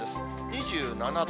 ２７度。